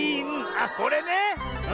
あっこれね。